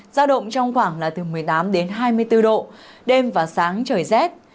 giao động trong khoảng là từ một mươi tám đến hai mươi bốn độ đêm và sáng trời rét